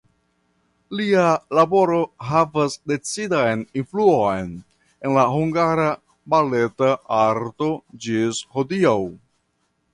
Lia laboro havas decidan influon en la hungara baleta arto ĝis hodiaŭ.